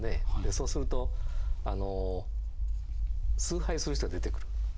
そうすると崇拝する人が出てくるだろうと。